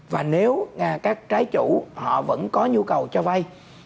và nếu các trái chủ họ vẫn có nhu cầu cho vay